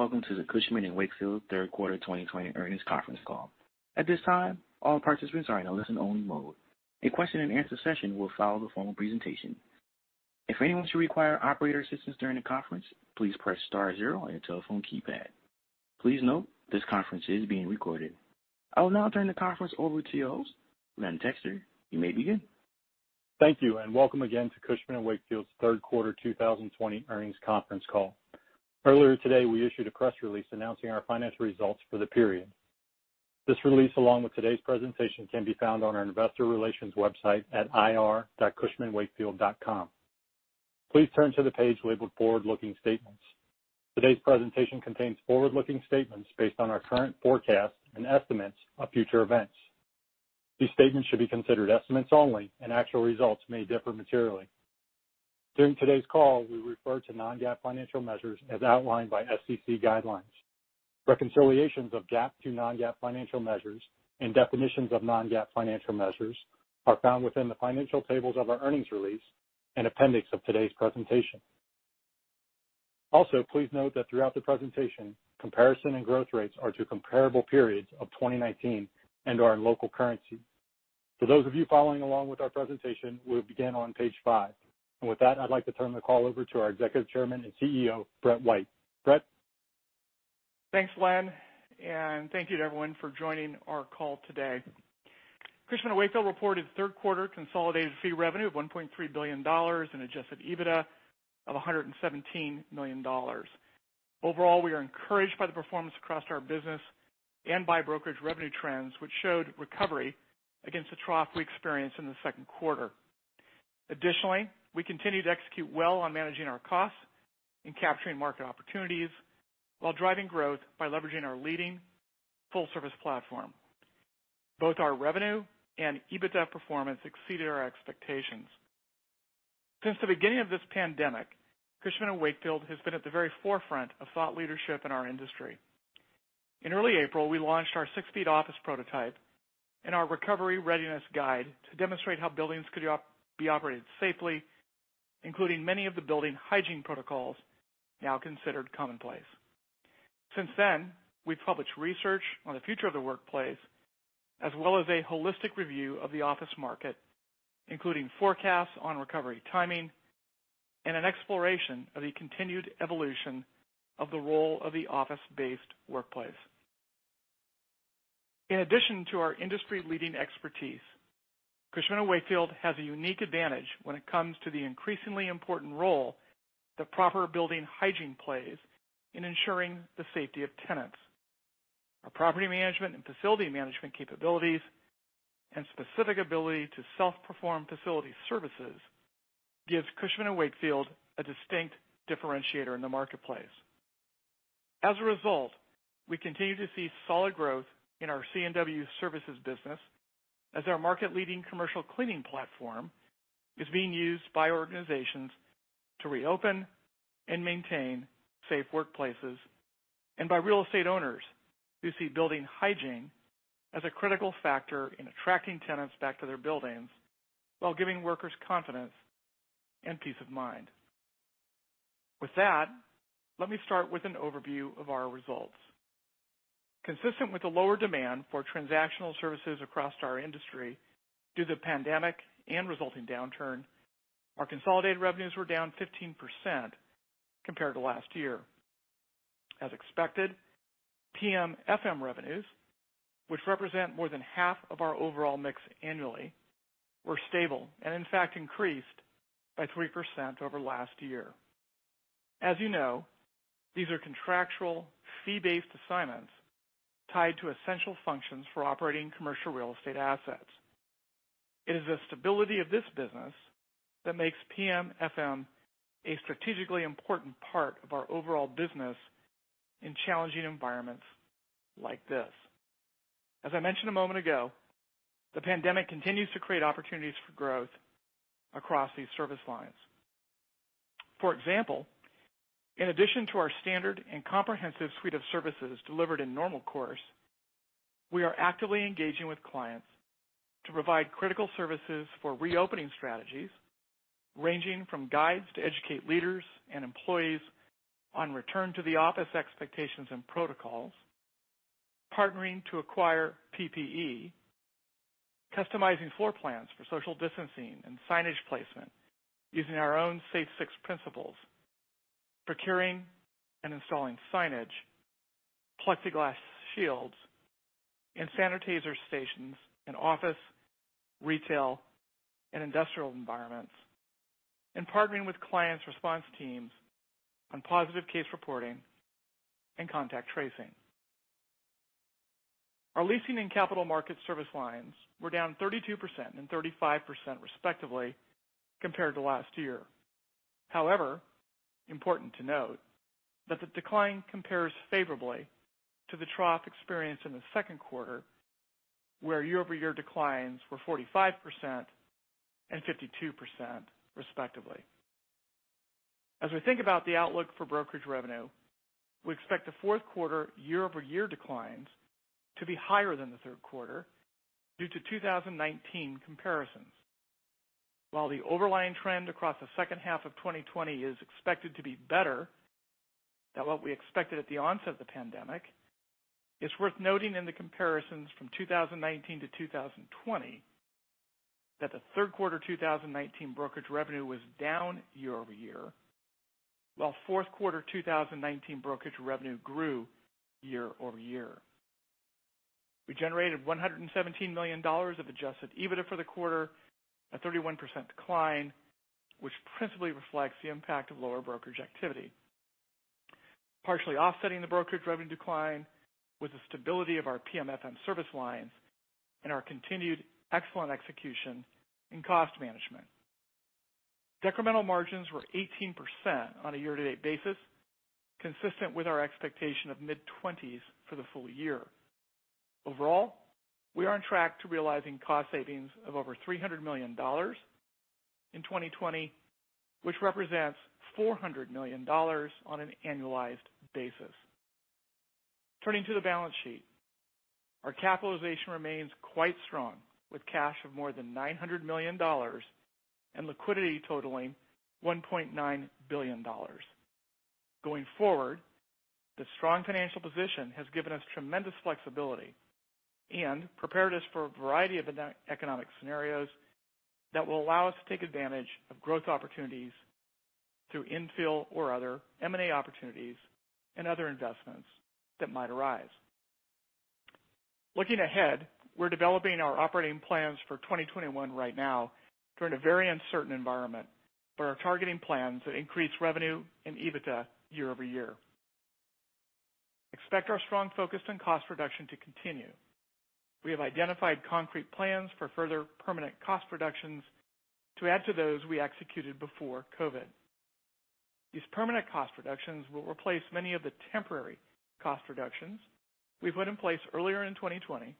Greetings. Welcome to the Cushman & Wakefield Third Quarter 2020 Earnings Conference Call. At this time, all participants are in a listen-only mode. A question and answer session will follow the formal presentation. If anyone should require operator assistance during the conference, please press star zero on your telephone keypad. Please note this conference is being recorded. I will now turn the conference over to you hosts. Len Texter, you may begin. Thank you. Welcome again to Cushman & Wakefield's third quarter 2020 earnings conference call. Earlier today, we issued a press release announcing our financial results for the period. This release, along with today's presentation, can be found on our investor relations website at ir.cushmanwakefield.com. Please turn to the page labeled forward-looking statements. Today's presentation contains forward-looking statements based on our current forecasts and estimates of future events. These statements should be considered estimates only. Actual results may differ materially. During today's call, we refer to non-GAAP financial measures as outlined by SEC guidelines. Reconciliations of GAAP to non-GAAP financial measures and definitions of non-GAAP financial measures are found within the financial tables of our earnings release and appendix of today's presentation. Please note that throughout the presentation, comparison and growth rates are to comparable periods of 2019 and are in local currency. For those of you following along with our presentation, we'll begin on page five. With that, I'd like to turn the call over to our Executive Chairman and CEO, Brett White. Brett? Thanks, Len, and thank you to everyone for joining our call today. Cushman & Wakefield reported third quarter consolidated fee revenue of $1.3 billion and adjusted EBITDA of $117 million. We are encouraged by the performance across our business and by brokerage revenue trends, which showed recovery against the trough we experienced in the second quarter. We continue to execute well on managing our costs and capturing market opportunities while driving growth by leveraging our leading full-service platform. Both our revenue and EBITDA performance exceeded our expectations. Since the beginning of this pandemic, Cushman & Wakefield has been at the very forefront of thought leadership in our industry. In early April, we launched our Six Feet Office prototype and our Recovery Readiness guide to demonstrate how buildings could be operated safely, including many of the building hygiene protocols now considered commonplace. Since then, we've published research on the future of the workplace, as well as a holistic review of the office market, including forecasts on recovery timing and an exploration of the continued evolution of the role of the office-based workplace. In addition to our industry-leading expertise, Cushman & Wakefield has a unique advantage when it comes to the increasingly important role that proper building hygiene plays in ensuring the safety of tenants. Our property management and facility management capabilities and specific ability to self-perform facility services gives Cushman & Wakefield a distinct differentiator in the marketplace. We continue to see solid growth in our C&W Services business as our market-leading commercial cleaning platform is being used by organizations to reopen and maintain safe workplaces, and by real estate owners who see building hygiene as a critical factor in attracting tenants back to their buildings while giving workers confidence and peace of mind. Let me start with an overview of our results. Consistent with the lower demand for transactional services across our industry due to the pandemic and resulting downturn, our consolidated revenues were down 15% compared to last year. As expected, PM/FM revenues, which represent more than half of our overall mix annually, were stable and in fact increased by 3% over last year. As you know, these are contractual fee-based assignments tied to essential functions for operating commercial real estate assets. It is the stability of this business that makes PM/FM a strategically important part of our overall business in challenging environments like this. As I mentioned a moment ago, the pandemic continues to create opportunities for growth across these service lines. For example, in addition to our standard and comprehensive suite of services delivered in normal course, we are actively engaging with clients to provide critical services for reopening strategies, ranging from guides to educate leaders and employees on return to the office expectations and protocols, partnering to acquire PPE, customizing floor plans for social distancing and signage placement using our own Safe Six principles, procuring and installing signage, Plexiglass shields, and sanitizer stations in office, retail, and industrial environments, and partnering with clients' response teams on positive case reporting and contact tracing. Our leasing and capital markets service lines were down 32% and 35%, respectively, compared to last year. However, important to note that the decline compares favorably to the trough experienced in the second quarter, where year-over-year declines were 45% and 52%, respectively. As we think about the outlook for brokerage revenue, we expect the fourth quarter year-over-year declines to be higher than the third quarter due to 2019 comparisons. The overlying trend across the second half of 2020 is expected to be better than what we expected at the onset of the pandemic, it's worth noting in the comparisons from 2019 to 2020 that the third quarter 2019 brokerage revenue was down year-over-year, while fourth quarter 2019 brokerage revenue grew year-over-year. We generated $117 million of adjusted EBITDA for the quarter, a 31% decline, which principally reflects the impact of lower brokerage activity. Partially offsetting the brokerage revenue decline was the stability of our PM/FM service lines and our continued excellent execution in cost management. Decremental margins were 18% on a year-to-date basis, consistent with our expectation of mid-20s for the full year. We are on track to realizing cost savings of over $300 million in 2020, which represents $400 million on an annualized basis. Turning to the balance sheet, our capitalization remains quite strong, with cash of more than $900 million and liquidity totaling $1.9 billion. Going forward, the strong financial position has given us tremendous flexibility and prepared us for a variety of economic scenarios that will allow us to take advantage of growth opportunities through infill or other M&A opportunities and other investments that might arise. Looking ahead, we're developing our operating plans for 2021 right now during a very uncertain environment. Are targeting plans that increase revenue and EBITDA year-over-year. Expect our strong focus on cost reduction to continue. We have identified concrete plans for further permanent cost reductions to add to those we executed before COVID. These permanent cost reductions will replace many of the temporary cost reductions we put in place earlier in 2020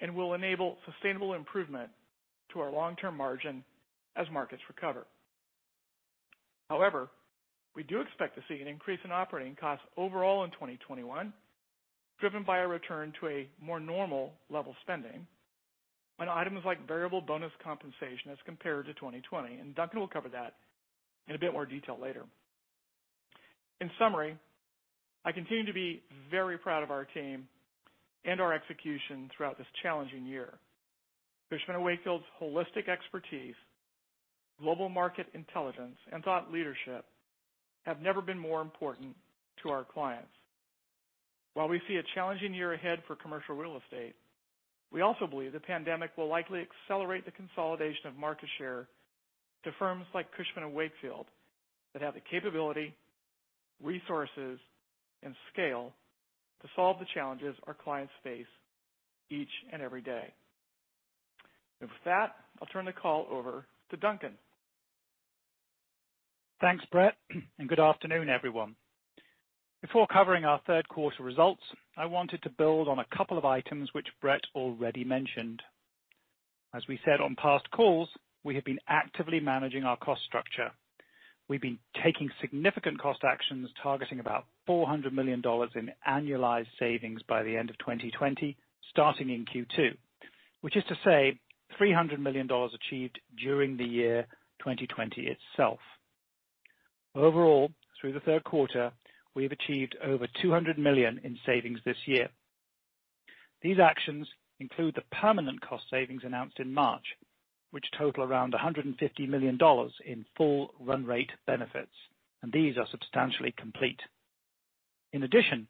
and will enable sustainable improvement to our long-term margin as markets recover. However, we do expect to see an increase in operating costs overall in 2021, driven by a return to a more normal level of spending on items like variable bonus compensation as compared to 2020, and Duncan will cover that in a bit more detail later. In summary, I continue to be very proud of our team and our execution throughout this challenging year. Cushman & Wakefield's holistic expertise, global market intelligence, and thought leadership have never been more important to our clients. While we see a challenging year ahead for commercial real estate, we also believe the pandemic will likely accelerate the consolidation of market share to firms like Cushman & Wakefield that have the capability, resources, and scale to solve the challenges our clients face each and every day. With that, I'll turn the call over to Duncan. Thanks, Brett, good afternoon, everyone. Before covering our third quarter results, I wanted to build on a couple of items which Brett already mentioned. As we said on past calls, we have been actively managing our cost structure. We've been taking significant cost actions, targeting about $400 million in annualized savings by the end of 2020, starting in Q2, which is to say $300 million achieved during the year 2020 itself. Overall, through the third quarter, we have achieved over $200 million in savings this year. These actions include the permanent cost savings announced in March, which total around $150 million in full run rate benefits, and these are substantially complete. In addition,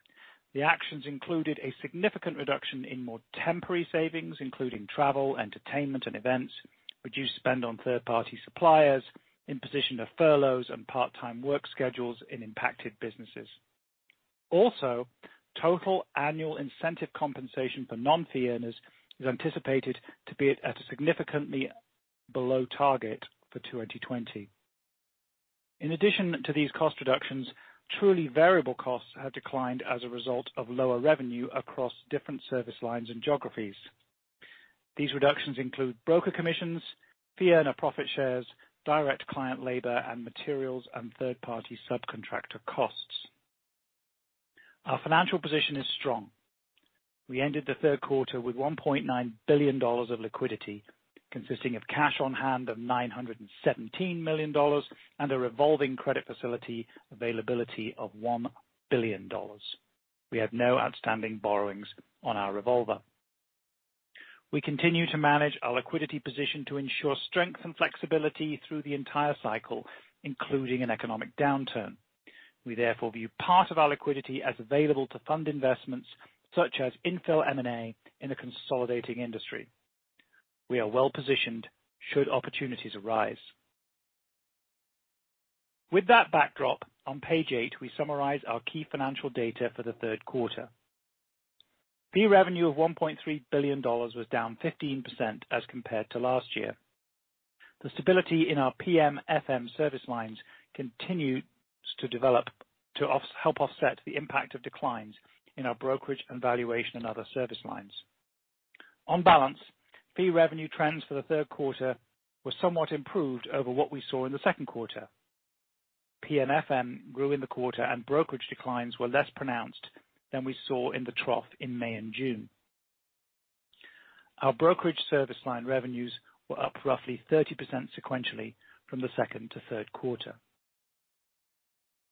the actions included a significant reduction in more temporary savings, including travel, entertainment, and events, reduced spend on third-party suppliers, in position of furloughs and part-time work schedules in impacted businesses. Also, total annual incentive compensation for non-fee earners is anticipated to be at a significantly below target for 2020. In addition to these cost reductions, truly variable costs have declined as a result of lower revenue across different service lines and geographies. These reductions include broker commissions, fee earner profit shares, direct client labor and materials, and third-party subcontractor costs. Our financial position is strong. We ended the third quarter with $1.9 billion of liquidity, consisting of cash on hand of $917 million and a revolving credit facility availability of $1 billion. We have no outstanding borrowings on our revolver. We continue to manage our liquidity position to ensure strength and flexibility through the entire cycle, including an economic downturn. We therefore view part of our liquidity as available to fund investments such as infill M&A in a consolidating industry. We are well-positioned should opportunities arise. With that backdrop, on page eight, we summarize our key financial data for the third quarter. Fee revenue of $1.3 billion was down 15% as compared to last year. The stability in our PM/FM service lines continues to develop to help offset the impact of declines in our brokerage and valuation and other service lines. On balance, fee revenue trends for the third quarter were somewhat improved over what we saw in the second quarter. PM/FM grew in the quarter, and brokerage declines were less pronounced than we saw in the trough in May and June. Our brokerage service line revenues were up roughly 30% sequentially from the second to third quarter.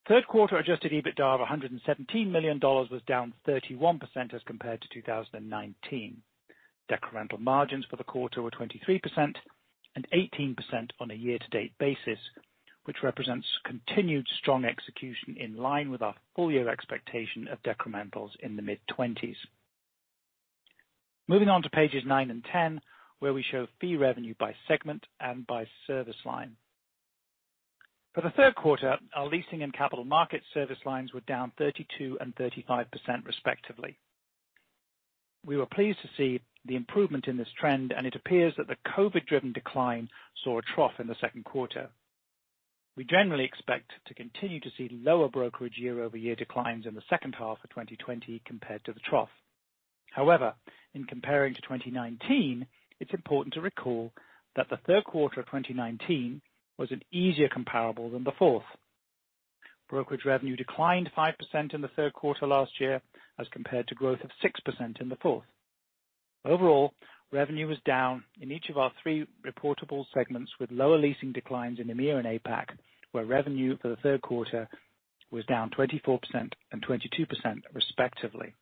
Third quarter adjusted EBITDA of $117 million was down 31% as compared to 2019. Decremental margins for the quarter were 23% and 18% on a year-to-date basis, which represents continued strong execution in line with our full year expectation of decrementals in the mid-20s. Moving on to pages nine and 10, where we show fee revenue by segment and by service line. For the third quarter, our leasing and capital markets service lines were down 32% and 35% respectively. We were pleased to see the improvement in this trend. It appears that the COVID driven decline saw a trough in the second quarter. We generally expect to continue to see lower brokerage year-over-year declines in the second half of 2020 compared to the trough. In comparing to 2019, it's important to recall that the third quarter of 2019 was an easier comparable than the fourth. Brokerage revenue declined 5% in the third quarter last year as compared to growth of 6% in the fourth. Overall, revenue was down in each of our three reportable segments, with lower leasing declines in EMEA and APAC, where revenue for the third quarter was down 24% and 22% respectively.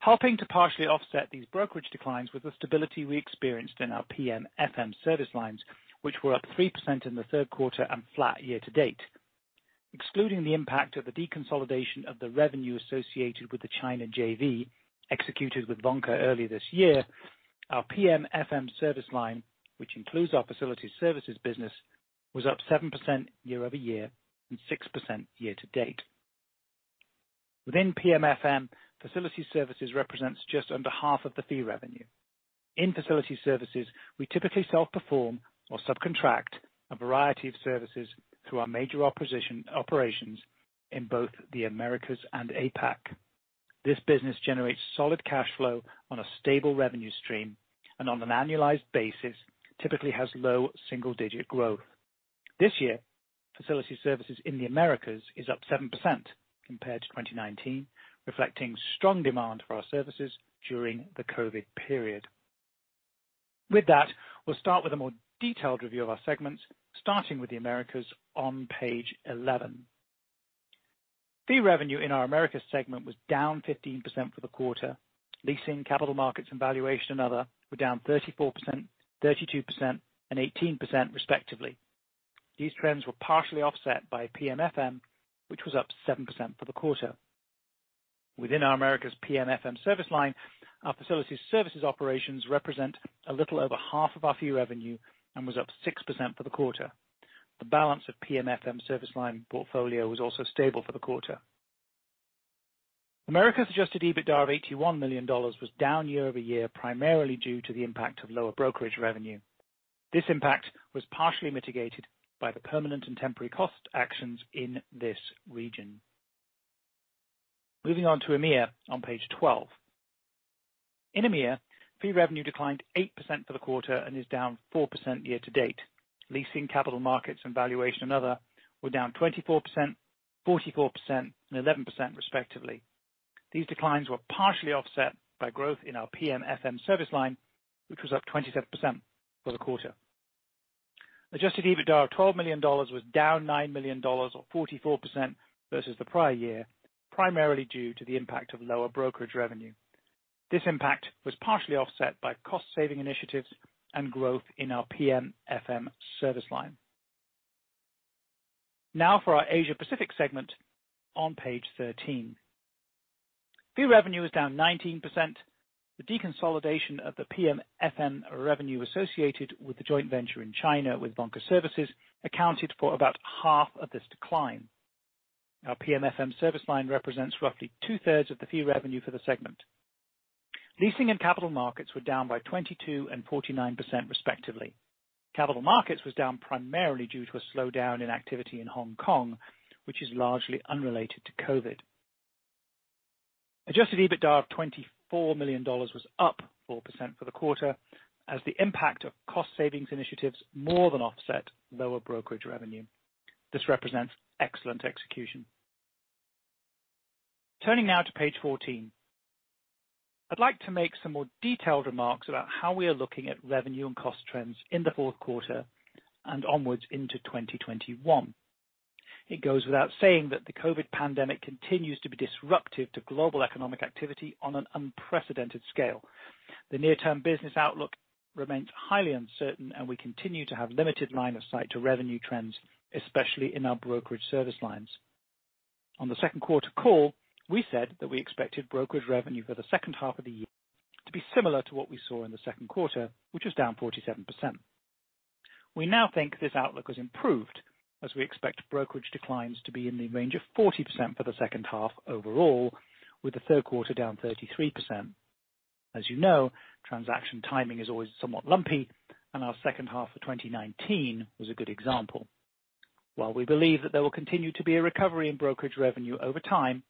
Helping to partially offset these brokerage declines was the stability we experienced in our PM/FM service lines, which were up 3% in the third quarter and flat year to date. Excluding the impact of the deconsolidation of the revenue associated with the China JV executed with Vanke earlier this year, our PM/FM service line, which includes our facility services business, was up 7% year-over-year and 6% year to date. Within PM/FM, facility services represents just under half of the fee revenue. In facility services, we typically self-perform or subcontract a variety of services through our major operations in both the Americas and APAC. This business generates solid cash flow on a stable revenue stream and on an annualized basis, typically has low single digit growth. This year, facility services in the Americas is up 7% compared to 2019, reflecting strong demand for our services during the COVID period. With that, we'll start with a more detailed review of our segments, starting with the Americas on page 11. Fee revenue in our Americas segment was down 15% for the quarter. Leasing, capital markets and valuation and other were down 34%, 32% and 18% respectively. These trends were partially offset by PM/FM, which was up 7% for the quarter. Within our Americas PM/FM service line, our facility services operations represent a little over half of our fee revenue and was up 6% for the quarter. The balance of PM/FM service line portfolio was also stable for the quarter. Americas adjusted EBITDA of $81 million was down year-over-year, primarily due to the impact of lower brokerage revenue. This impact was partially mitigated by the permanent and temporary cost actions in this region. Moving on to EMEA on page 12. In EMEA, fee revenue declined 8% for the quarter and is down 4% year to date. Leasing, capital markets and valuation and other were down 24%, 44% and 11% respectively. These declines were partially offset by growth in our PM/FM service line, which was up 27% for the quarter. Adjusted EBITDA of $12 million was down $9 million or 44% versus the prior year, primarily due to the impact of lower brokerage revenue. This impact was partially offset by cost saving initiatives and growth in our PM/FM service line. Now for our Asia Pacific segment on page 13. Fee revenue is down 19%. The deconsolidation of the PM/FM revenue associated with the joint venture in China with Vanke Service accounted for about half of this decline. Our PM//FM service line represents roughly 2/3 of the fee revenue for the segment. Leasing and capital markets were down by 22% and 49%, respectively. Capital markets was down primarily due to a slowdown in activity in Hong Kong, which is largely unrelated to COVID. Adjusted EBITDA of $24 million was up 4% for the quarter as the impact of cost savings initiatives more than offset lower brokerage revenue. This represents excellent execution. Turning now to page 14. I'd like to make some more detailed remarks about how we are looking at revenue and cost trends in the fourth quarter and onwards into 2021. It goes without saying that the COVID pandemic continues to be disruptive to global economic activity on an unprecedented scale. The near term business outlook remains highly uncertain, and we continue to have limited line of sight to revenue trends, especially in our brokerage service lines. On the second quarter call, we said that we expected brokerage revenue for the second half of the year to be similar to what we saw in the second quarter, which was down 47%. We now think this outlook has improved as we expect brokerage declines to be in the range of 40% for the second half overall, with the third quarter down 33%. As you know, transaction timing is always somewhat lumpy, and our second half of 2019 was a good example. While we believe that there will continue to be a recovery in brokerage revenue over time,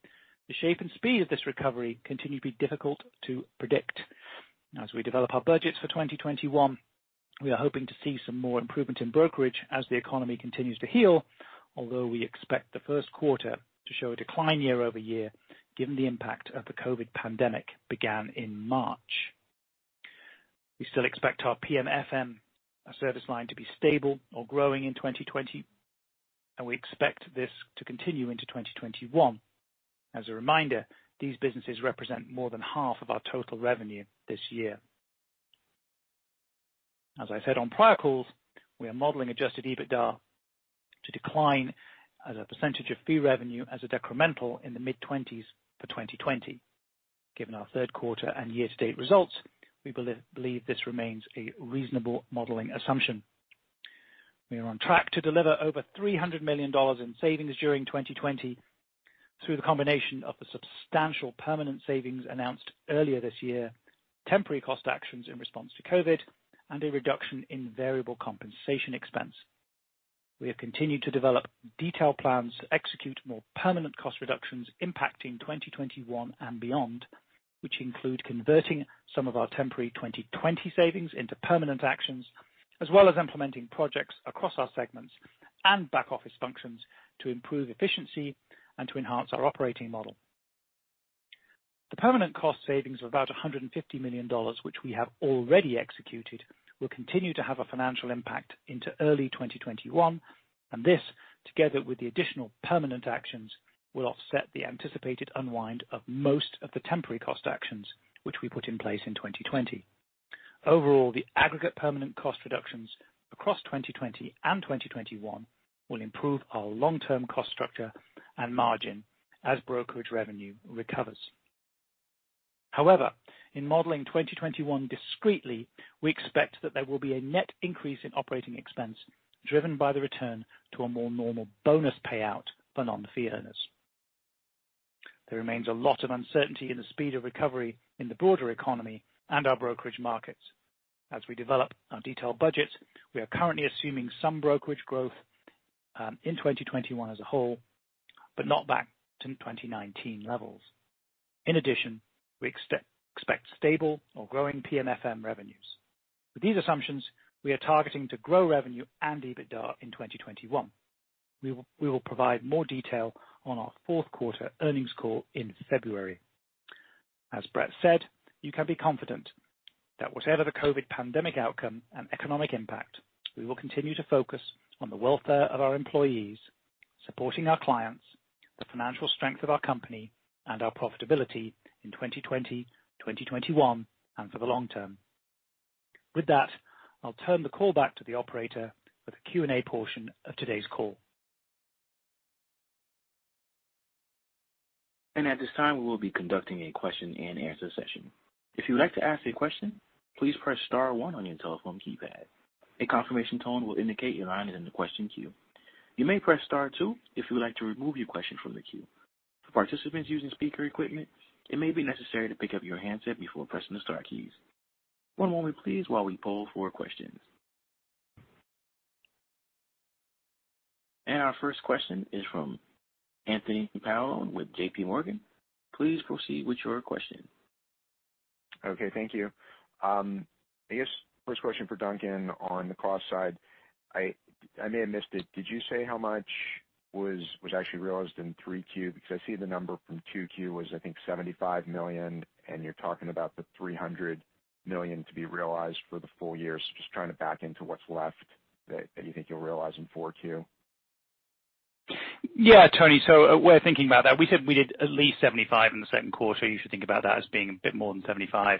the shape and speed of this recovery continue to be difficult to predict. As we develop our budgets for 2021, we are hoping to see some more improvement in brokerage as the economy continues to heal, although we expect the first quarter to show a decline year-over-year, given the impact of the COVID pandemic began in March. We still expect our PM/FM service line to be stable or growing in 2020, and we expect this to continue into 2021. As a reminder, these businesses represent more than half of our total revenue this year. As I said on prior calls, we are modeling adjusted EBITDA to decline as a percentage of fee revenue as a decremental in the mid-20s for 2020. Given our third quarter and year-to-date results, we believe this remains a reasonable modeling assumption. We are on track to deliver over $300 million in savings during 2020 through the combination of the substantial permanent savings announced earlier this year, temporary cost actions in response to COVID, and a reduction in variable compensation expense. We have continued to develop detailed plans to execute more permanent cost reductions impacting 2021 and beyond, which include converting some of our temporary 2020 savings into permanent actions, as well as implementing projects across our segments and back-office functions to improve efficiency and to enhance our operating model. The permanent cost savings of about $150 million, which we have already executed, will continue to have a financial impact into early 2021. This, together with the additional permanent actions, will offset the anticipated unwind of most of the temporary cost actions which we put in place in 2020. Overall, the aggregate permanent cost reductions across 2020 and 2021 will improve our long-term cost structure and margin as brokerage revenue recovers. However, in modeling 2021 discretely, we expect that there will be a net increase in operating expense, driven by the return to a more normal bonus payout for non-fee earners. There remains a lot of uncertainty in the speed of recovery in the broader economy and our brokerage markets. As we develop our detailed budgets, we are currently assuming some brokerage growth in 2021 as a whole, but not back to 2019 levels. In addition, we expect stable or growing PM/FM revenues. With these assumptions, we are targeting to grow revenue and EBITDA in 2021. We will provide more detail on our fourth quarter earnings call in February. As Brett said, you can be confident that whatever the COVID pandemic outcome and economic impact, we will continue to focus on the welfare of our employees, supporting our clients, the financial strength of our company, and our profitability in 2020, 2021, and for the long term. With that, I'll turn the call back to the operator for the Q&A portion of today's call. Our first question is from Anthony Paolone with JPMorgan. Please proceed with your question. Okay, thank you. I guess first question for Duncan on the cost side. I may have missed it. Did you say how much was actually realized in 3Q? I see the number from 2Q was, I think, $75 million, and you're talking about the $300 million to be realized for the full year. Just trying to back into what's left that you think you'll realize in 4Q. Yeah, Tony. We're thinking about that. We said we did at least $75 in the second quarter. You should think about that as being a bit more than $75.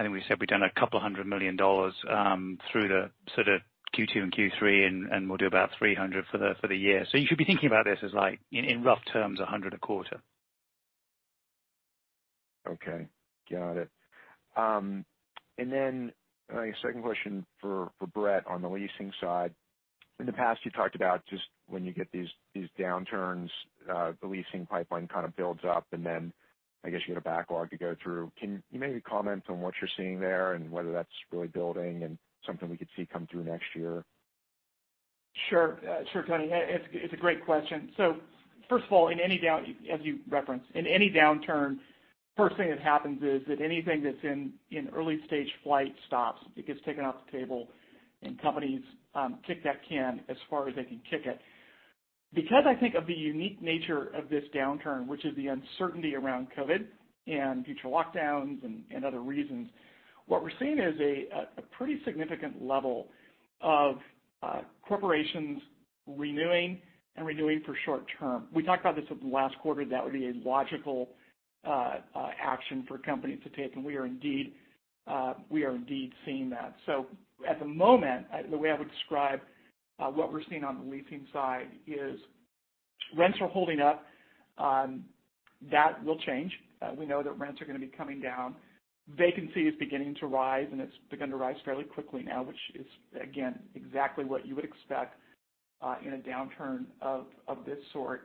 I think we said we've done a couple of hundred million dollars through Q2 and Q3, and we'll do about $300 for the year. You should be thinking about this as like, in rough terms, $100 a quarter. Okay. Got it. My second question for Brett on the leasing side. In the past, you talked about just when you get these downturns, the leasing pipeline kind of builds up, and then I guess you get a backlog to go through. Can you maybe comment on what you're seeing there and whether that's really building and something we could see come through next year? Sure, Tony. It's a great question. First of all, as you referenced, in any downturn, first thing that happens is that anything that's in early stage flight stops. It gets taken off the table, and companies kick that can as far as they can kick it. I think of the unique nature of this downturn, which is the uncertainty around COVID and future lockdowns and other reasons, what we're seeing is a pretty significant level of corporations renewing and renewing for short term. We talked about this last quarter, that would be a logical action for companies to take, and we are indeed seeing that. At the moment, the way I would describe what we're seeing on the leasing side is rents are holding up. That will change. We know that rents are going to be coming down. Vacancy is beginning to rise, and it's begun to rise fairly quickly now, which is, again, exactly what you would expect in a downturn of this sort.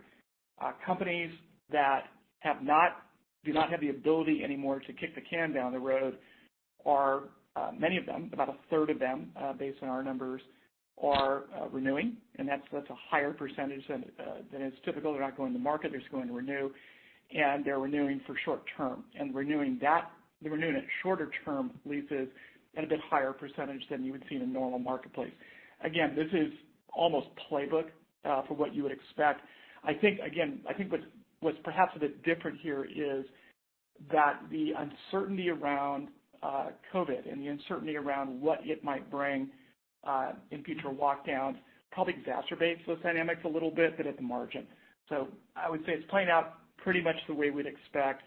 Companies that do not have the ability anymore to kick the can down the road are, many of them, about a third of them, based on our numbers, are renewing, and that's a higher percentage than is typical. They're not going to market, they're just going to renew, and they're renewing for short term. They're renewing at shorter term leases at a bit higher percentage than you would see in a normal marketplace. Again, this is almost playbook for what you would expect. Again, I think what's perhaps a bit different here is that the uncertainty around COVID and the uncertainty around what it might bring in future lockdowns probably exacerbates those dynamics a little bit, but at the margin. I would say it's playing out pretty much the way we'd expect.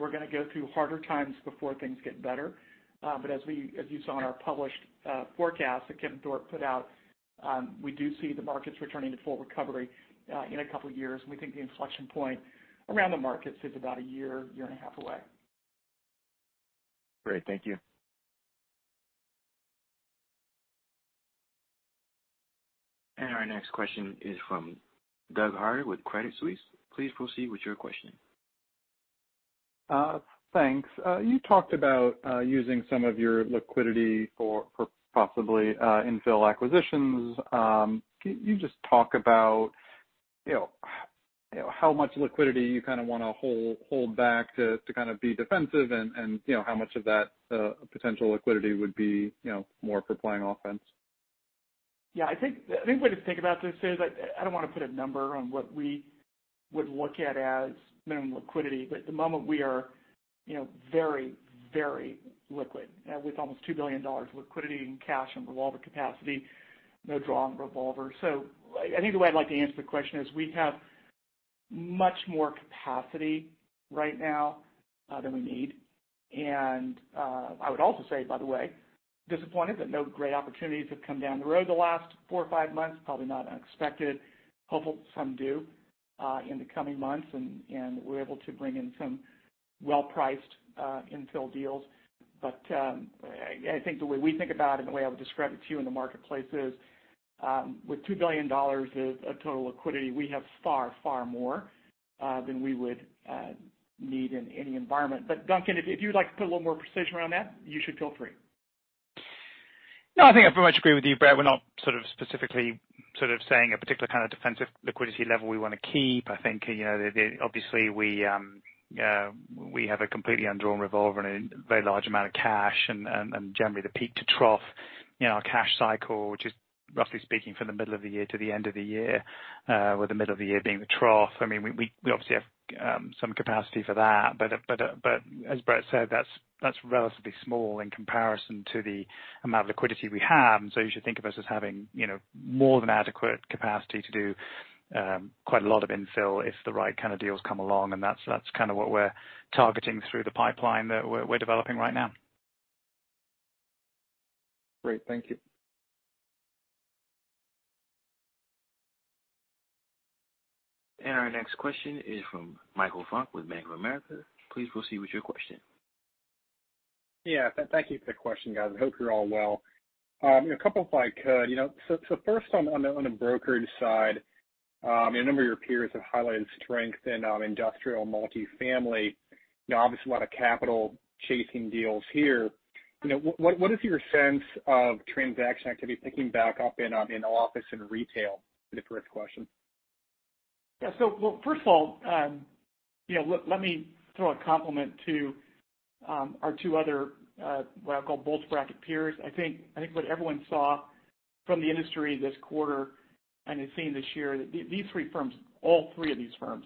We're going to go through harder times before things get better. As you saw in our published forecast that Kevin Thorpe put out, we do see the markets returning to full recovery in a couple of years. We think the inflection point around the markets is about a year and a half away. Great. Thank you. Our next question is from Doug Harter with Credit Suisse. Please proceed with your question. Thanks. You talked about using some of your liquidity for possibly infill acquisitions. Can you just talk about how much liquidity you want to hold back to be defensive and how much of that potential liquidity would be more for playing offense? I think the way to think about this is, I don't want to put a number on what we would look at as minimum liquidity, but at the moment we are very liquid. With almost $2 billion of liquidity in cash and revolver capacity, no draw on the revolver. I think the way I'd like to answer the question is, we have much more capacity right now than we need. I would also say, by the way, disappointed that no great opportunities have come down the road the last four or five months, probably not unexpected. Hopeful some do in the coming months, and we're able to bring in some well-priced infill deals. I think the way we think about it and the way I would describe it to you in the marketplace is, with $2 billion of total liquidity, we have far more than we would need in any environment. Duncan, if you'd like to put a little more precision around that, you should feel free. No, I think I very much agree with you, Brett. We're not specifically saying a particular kind of defensive liquidity level we want to keep. I think, obviously we have a completely undrawn revolver and a very large amount of cash, and generally the peak to trough in our cash cycle, which is roughly speaking from the middle of the year to the end of the year, with the middle of the year being the trough. We obviously have some capacity for that. As Brett said, that's relatively small in comparison to the amount of liquidity we have. You should think of us as having more than adequate capacity to do quite a lot of infill if the right kind of deals come along, and that's what we're targeting through the pipeline that we're developing right now. Great. Thank you. Our next question is from Michael Funk with Bank of America. Please proceed with your question. Yeah. Thank you for the question, guys. I hope you're all well. First on the brokerage side, a number of your peers have highlighted strength in industrial multifamily. Obviously a lot of capital chasing deals here. What is your sense of transaction activity picking back up in office and retail for the first question? First of all, let me throw a compliment to our two other, what I'll call bulge bracket peers. I think what everyone saw from the industry this quarter, and they've seen this year, that these three firms, all three of these firms,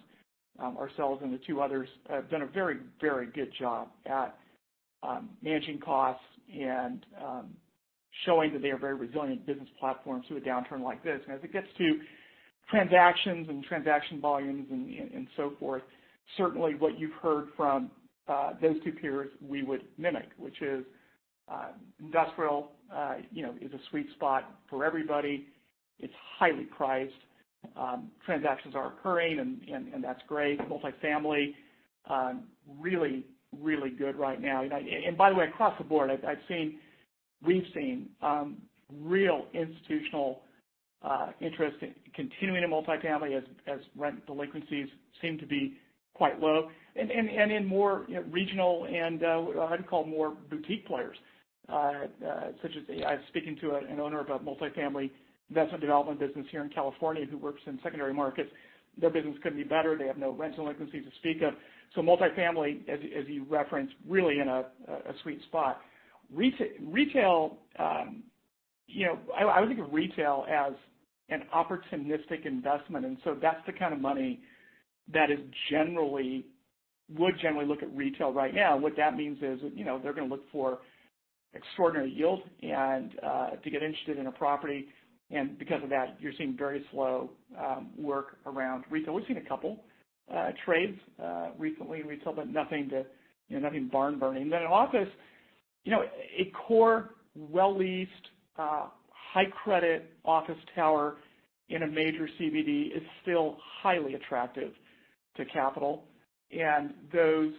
ourselves and the two others, have done a very good job at managing costs and showing that they are very resilient business platforms through a downturn like this. As it gets to transactions and transaction volumes and so forth, certainly what you've heard from those two peers, we would mimic, which is industrial is a sweet spot for everybody. It's highly prized. Transactions are occurring and that's great. Multifamily, really good right now. By the way, across the board, we've seen real institutional interest continuing in multifamily as rent delinquencies seem to be quite low. In more regional and, I'd call more boutique players. I was speaking to an owner of a multifamily investment development business here in California who works in secondary markets. Their business couldn't be better. They have no rent delinquencies to speak of. Multifamily, as you referenced, really in a sweet spot. Retail, I would think of retail as an opportunistic investment, and so that's the kind of money that would generally look at retail right now. What that means is they're going to look for extraordinary yield and to get interested in a property. Because of that, you're seeing very slow work around retail. We've seen a couple trades recently in retail, but nothing barn burning. In office, a core, well-leased, high credit office tower in a major CBD is still highly attractive to capital. Those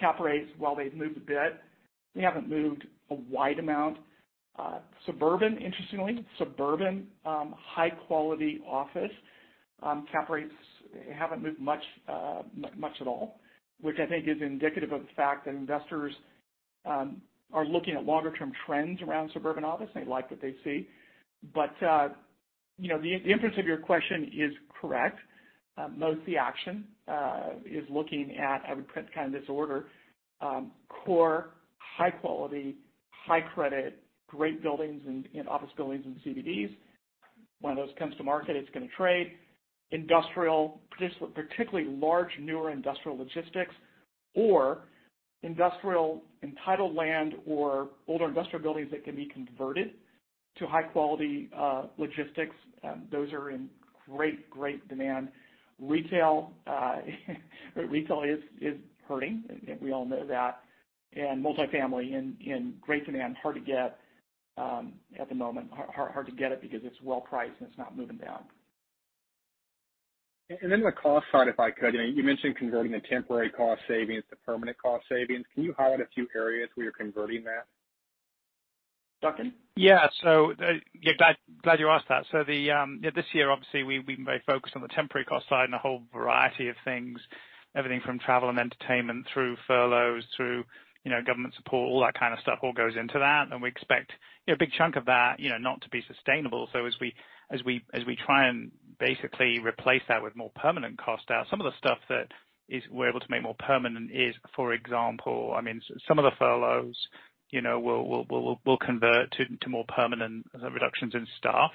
cap rates, while they've moved a bit. We haven't moved a wide amount. Suburban, interestingly, suburban high-quality office cap rates haven't moved much at all, which I think is indicative of the fact that investors are looking at longer-term trends around suburban office, and they like what they see. The inference of your question is correct. Most of the action is looking at, I would put kind of this order, core high quality, high credit, great buildings in office buildings in CBDs. When those comes to market, it's going to trade. Industrial, particularly large, newer industrial logistics or industrial entitled land or older industrial buildings that can be converted to high-quality logistics. Those are in great demand. Retail is hurting. We all know that. Multi-family in great demand. Hard to get at the moment. Hard to get it because it's well-priced, and it's not moving down. The cost side, if I could. You mentioned converting the temporary cost savings to permanent cost savings. Can you highlight a few areas where you're converting that? Duncan? Yeah. Glad you asked that. This year, obviously, we've been very focused on the temporary cost side and a whole variety of things. Everything from travel and entertainment through furloughs, through government support, all that kind of stuff all goes into that. We expect a big chunk of that not to be sustainable. As we try and basically replace that with more permanent cost out, some of the stuff that we're able to make more permanent is, for example, some of the furloughs will convert to more permanent reductions in staff.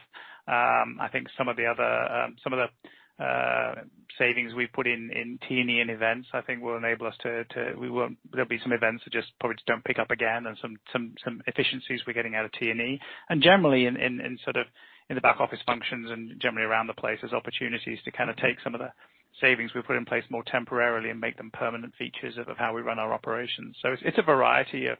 I think some of the savings we put in T&E and events, I think there'll be some events that just probably don't pick up again and some efficiencies we're getting out of T&E. Generally, in the back office functions and generally around the place, there's opportunities to kind of take some of the savings we put in place more temporarily and make them permanent features of how we run our operations. It's a variety of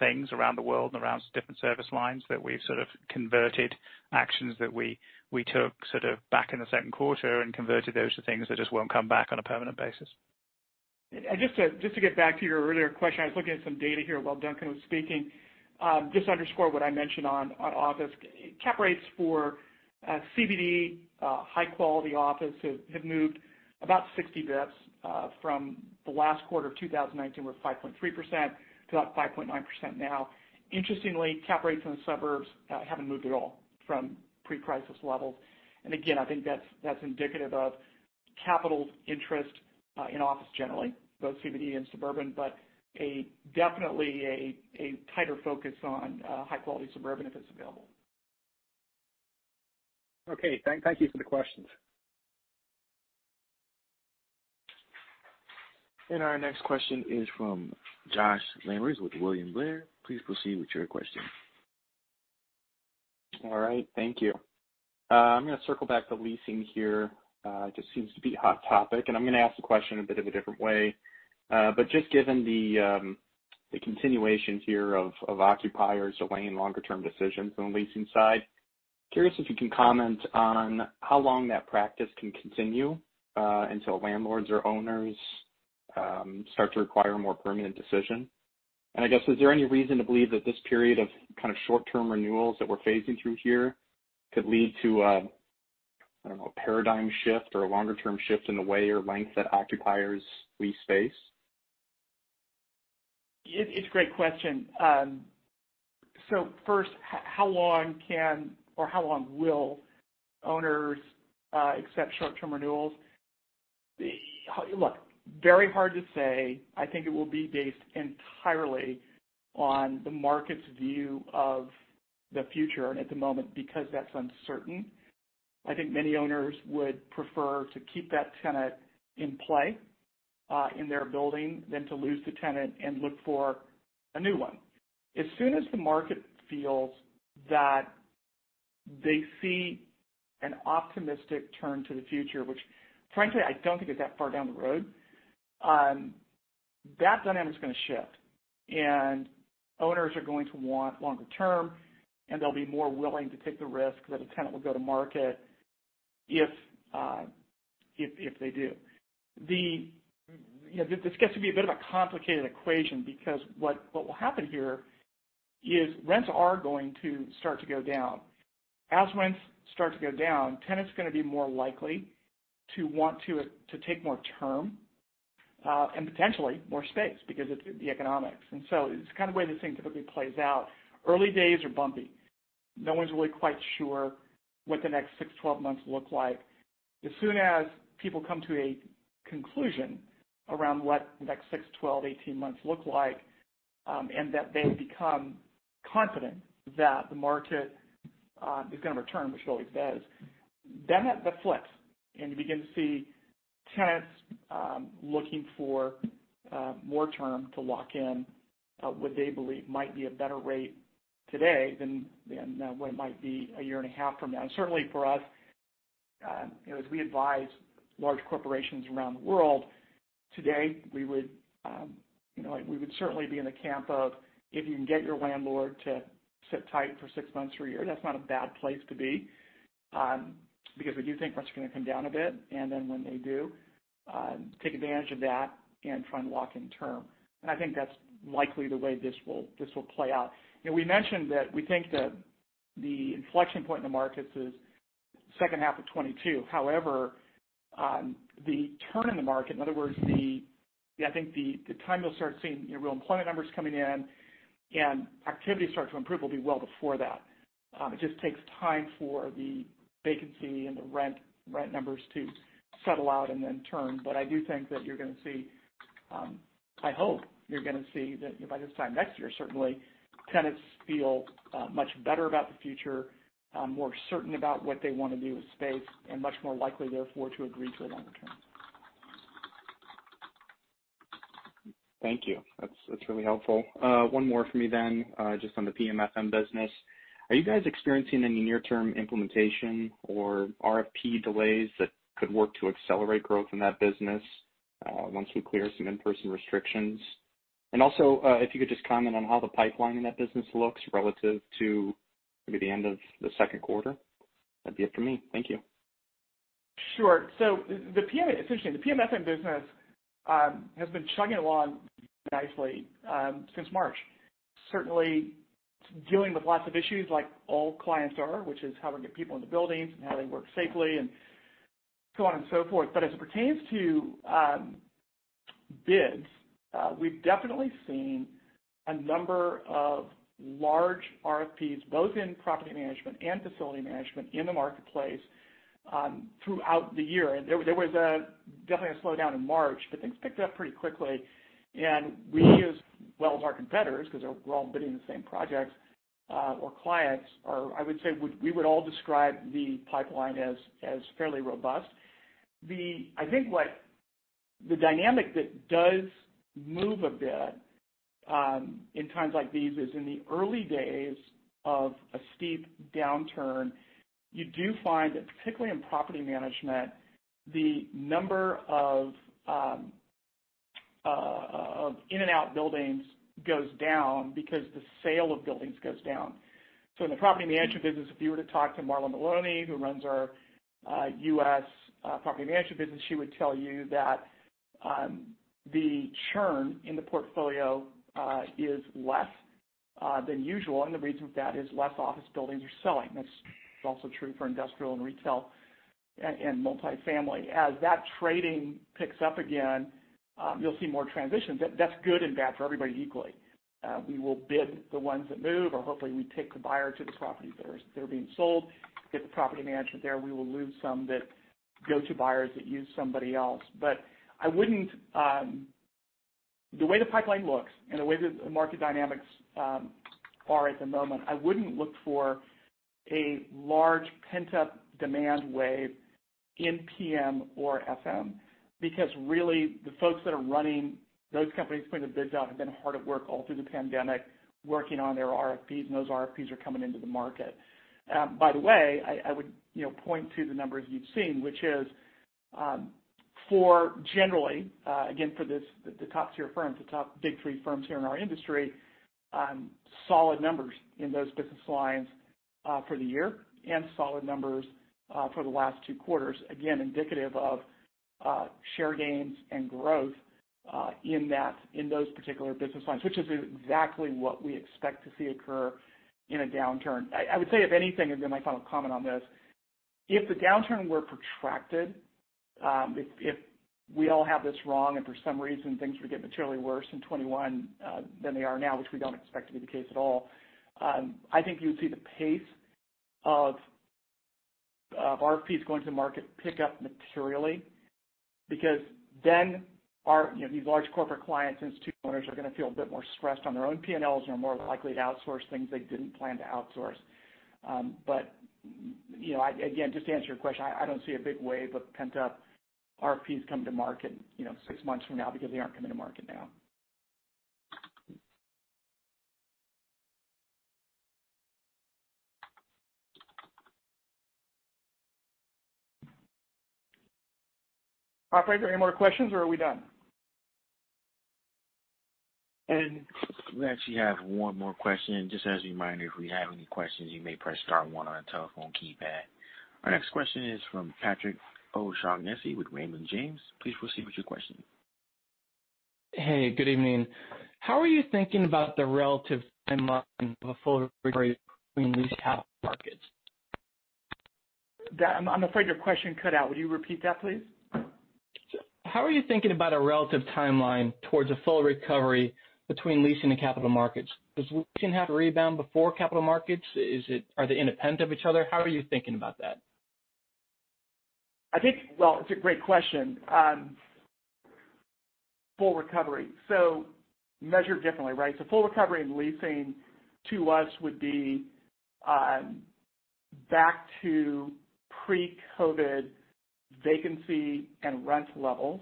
things around the world and around different service lines that we've sort of converted actions that we took sort of back in the second quarter and converted those to things that just won't come back on a permanent basis. Just to get back to your earlier question, I was looking at some data here while Duncan was speaking. Just to underscore what I mentioned on office. Cap rates for CBD high-quality office have moved about 60 basis points from the last quarter of 2019 were 5.3% to about 5.9% now. Interestingly, cap rates in the suburbs haven't moved at all from pre-crisis levels. Again, I think that's indicative of capital interest in office generally, both CBD and suburban, but definitely a tighter focus on high-quality suburban if it's available. Okay. Thank you for the questions. Our next question is from Josh Lamers with William Blair. Please proceed with your question. All right. Thank you. I'm going to circle back to leasing here. Just seems to be hot topic, and I'm going to ask the question a bit of a different way. Just given the continuation here of occupiers delaying longer-term decisions on the leasing side, curious if you can comment on how long that practice can continue until landlords or owners start to require a more permanent decision? I guess, is there any reason to believe that this period of kind of short-term renewals that we're phasing through here could lead to a, I don't know, a paradigm shift or a longer-term shift in the way or length that occupiers lease space? It's a great question. First, how long can or how long will owners accept short-term renewals? Look, very hard to say. I think it will be based entirely on the market's view of the future. At the moment, because that's uncertain, I think many owners would prefer to keep that tenant in play in their building than to lose the tenant and look for a new one. As soon as the market feels that they see an optimistic turn to the future, which frankly I don't think is that far down the road, that dynamic's going to shift, and owners are going to want longer term, and they'll be more willing to take the risk that a tenant will go to market if they do. This gets to be a bit of a complicated equation because what will happen here is rents are going to start to go down. As rents start to go down, tenants are going to be more likely to want to take more term, and potentially more space because of the economics. It's kind of the way this thing typically plays out. Early days are bumpy. No one's really quite sure what the next 6-12 months look like. As soon as people come to a conclusion around what the next 6, 12, 18 months look like, and that they become confident that the market is going to return, which it always does, then that flips, and you begin to see tenants looking for more term to lock in what they believe might be a better rate today than what it might be one year and a half from now. Certainly for us, as we advise large corporations around the world, today we would certainly be in the camp of if you can get your landlord to sit tight for six months or one year, that's not a bad place to be. We do think rents are going to come down a bit, and then when they do, take advantage of that and try and lock in term. I think that's likely the way this will play out. We mentioned that we think that the inflection point in the markets is second half of 2022. The turn in the market, in other words, I think the time you'll start seeing real employment numbers coming in and activity start to improve, will be well before that. It just takes time for the vacancy and the rent numbers to settle out and then turn. I do think that you're going to see, I hope you're going to see that by this time next year, certainly, tenants feel much better about the future, more certain about what they want to do with space, and much more likely, therefore, to agree to a longer term. Thank you. That's really helpful. One more from me then, just on the PM/FM business. Are you guys experiencing any near-term implementation or RFP delays that could work to accelerate growth in that business once we clear some in-person restrictions? If you could just comment on how the pipeline in that business looks relative to maybe the end of the second quarter. That'd be it for me. Thank you. Sure. It's interesting. The PM/FM business has been chugging along nicely since March. Certainly, dealing with lots of issues like all clients are, which is how we get people in the buildings, and how they work safely, and so on and so forth. As it pertains to bids, we've definitely seen a number of large RFPs, both in property management and facility management in the marketplace, throughout the year. There was definitely a slowdown in March, things picked up pretty quickly. We, as well as our competitors, because we're all bidding the same projects, or clients are, I would say we would all describe the pipeline as fairly robust. I think the dynamic that does move a bit in times like these is in the early days of a steep downturn, you do find that particularly in property management, the number of in and out buildings goes down because the sale of buildings goes down. In the property management business, if you were to talk to Marla Maloney, who runs our U.S. property management business, she would tell you that the churn in the portfolio is less than usual, and the reason for that is less office buildings are selling. That's also true for industrial and retail and multifamily. As that trading picks up again, you'll see more transitions. That's good and bad for everybody equally. We will bid the ones that move, or hopefully we take the buyer to the properties that are being sold, get the property management there. We will lose some that go to buyers that use somebody else. The way the pipeline looks and the way the market dynamics are at the moment, I wouldn't look for a large pent-up demand wave in PM or FM, because really, the folks that are running those companies putting the bids out have been hard at work all through the pandemic, working on their RFPs, and those RFPs are coming into the market. By the way, I would point to the numbers you've seen, which is for generally, again, for the top tier firms, the top big three firms here in our industry, solid numbers in those business lines for the year and solid numbers for the last two quarters, again, indicative of share gains and growth in those particular business lines, which is exactly what we expect to see occur in a downturn. I would say if anything, and my final comment on this, if the downturn were protracted, if we all have this wrong and for some reason things were to get materially worse in 2021 than they are now, which we don't expect to be the case at all, I think you would see the pace of RFPs going to market pick up materially because then these large corporate clients, institutional owners are going to feel a bit more stressed on their own P&Ls and are more likely to outsource things they didn't plan to outsource. Again, just to answer your question, I don't see a big wave of pent-up RFPs come to market six months from now because they aren't coming to market now. Operator, are there any more questions, or are we done? We actually have one more question. Just as a reminder, if we have any questions, you may press star one on a telephone keypad. Our next question is from Patrick O'Shaughnessy with Raymond James. Please proceed with your question. Hey, good evening. How are you thinking about the relative timeline between these capital markets? I'm afraid your question cut out. Would you repeat that, please? How are you thinking about a relative timeline towards a full recovery between leasing and capital markets? Does leasing have to rebound before capital markets? Are they independent of each other? How are you thinking about that? It's a great question. Full recovery. Measured differently, right? Full recovery in leasing to us would be back to pre-COVID vacancy and rent levels.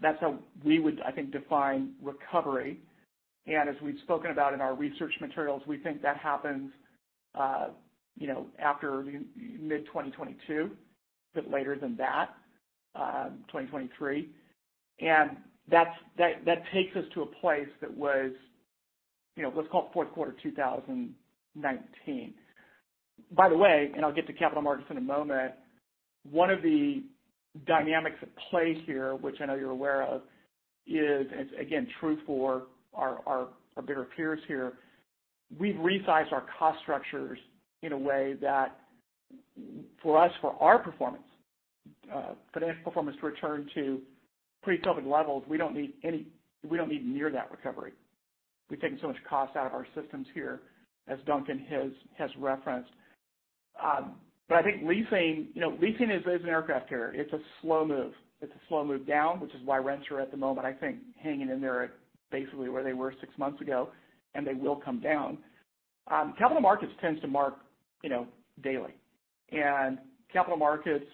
That's how we would, I think, define recovery. As we've spoken about in our research materials, we think that happens after mid-2022, a bit later than that, 2023. That takes us to a place, let's call it fourth quarter 2019. By the way, I'll get to capital markets in a moment, one of the dynamics at play here, which I know you're aware of, is, again, true for our bigger peers here. We've resized our cost structures in a way that for us, for our performance, financial performance to return to pre-COVID levels, we don't need near that recovery. We've taken so much cost out of our systems here, as Duncan has referenced. I think leasing is an aircraft carrier. It's a slow move. It's a slow move down, which is why rents are, at the moment, I think, hanging in there at basically where they were six months ago, and they will come down. Capital markets tends to mark daily. Capital markets,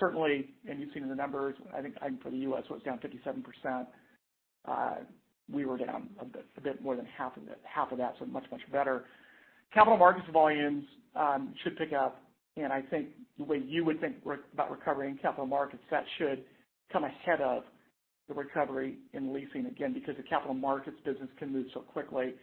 certainly, and you've seen the numbers, I think for the U.S. it was down 57%, we were down a bit more than half of that, so much, much better. Capital markets volumes should pick up. I think the way you would think about recovering capital markets, that should come ahead of the recovery in leasing, again, because the capital markets business can move so quickly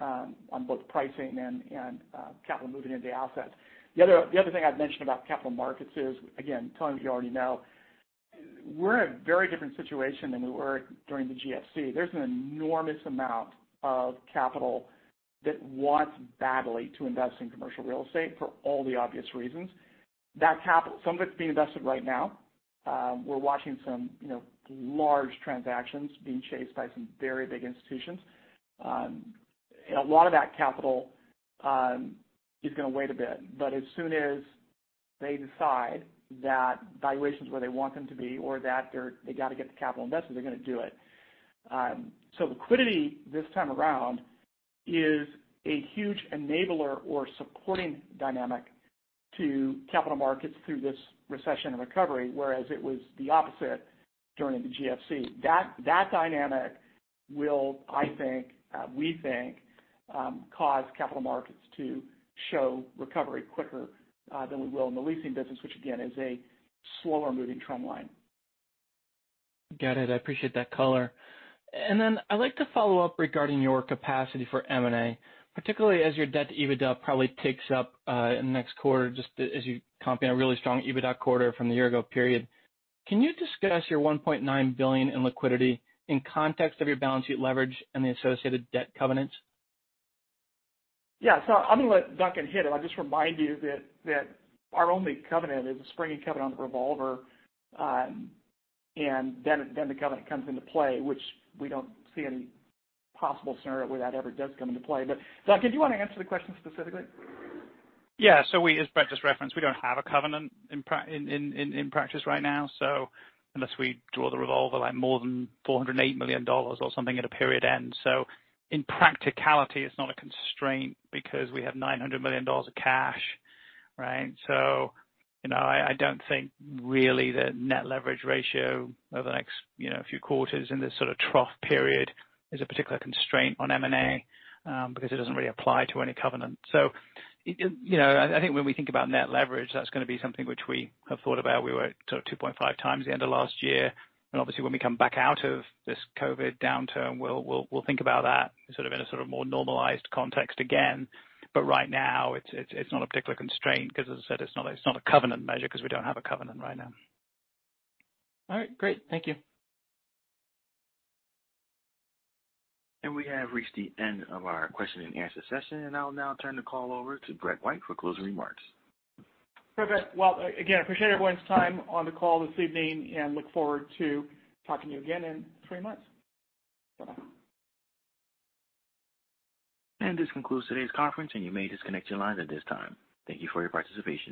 on both pricing and capital moving into assets. The other thing I'd mention about capital markets is, again, telling you what you already know, we're in a very different situation than we were during the GFC. There's an enormous amount of capital that wants badly to invest in commercial real estate for all the obvious reasons. That capital, some of it's being invested right now. We're watching some large transactions being chased by some very big institutions. A lot of that capital is going to wait a bit. As soon as they decide that valuation's where they want them to be or that they got to get the capital invested, they're going to do it. Liquidity this time around is a huge enabler or supporting dynamic to capital markets through this recession and recovery, whereas it was the opposite during the GFC. That dynamic will, I think, we think, cause capital markets to show recovery quicker than we will in the leasing business, which again is a slower moving trend line. Got it. I appreciate that color. I'd like to follow up regarding your capacity for M&A, particularly as your debt to EBITDA probably ticks up in the next quarter, just as you comp in a really strong EBITDA quarter from the year ago period. Can you discuss your $1.9 billion in liquidity in context of your balance sheet leverage and the associated debt covenants? Yeah. I'm going to let Duncan hit it. I'll just remind you that our only covenant is a springing covenant on the revolver, and then the covenant comes into play, which we don't see any possible scenario where that ever does come into play. Duncan, do you want to answer the question specifically? Yeah. As Brett just referenced, we don't have a covenant in practice right now, unless we draw the revolver more than $408 million or something at a period end. In practicality, it's not a constraint because we have $900 million of cash, right? I don't think really the net leverage ratio over the next few quarters in this sort of trough period is a particular constraint on M&A because it doesn't really apply to any covenant. I think when we think about net leverage, that's going to be something which we have thought about. We were at sort of 2.5x the end of last year. Obviously when we come back out of this COVID downturn, we'll think about that in a sort of more normalized context again. Right now it's not a particular constraint because as I said, it's not a covenant measure because we don't have a covenant right now. All right, great. Thank you. We have reached the end of our question and answer session, and I'll now turn the call over to Brett White for closing remarks. Perfect. Well, again, appreciate everyone's time on the call this evening, and look forward to talking to you again in three months. Bye-bye. This concludes today's conference, and you may disconnect your lines at this time. Thank you for your participation.